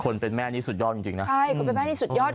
เป็นแม่นี่สุดยอดจริงนะใช่คนเป็นแม่นี่สุดยอด